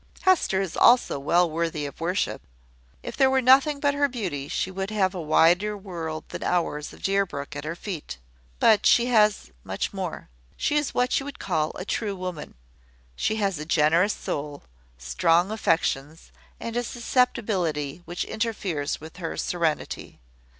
Hester is also well worthy of worship. If there were nothing but her beauty, she would have a wider world than ours of Deerbrook at her feet. But she has much more. She is what you would call a true woman. She has a generous soul, strong affections, and a susceptibility which interferes with her serenity.